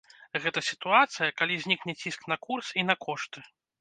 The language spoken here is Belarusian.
Гэта сітуацыя, калі знікне ціск на курс і на кошты.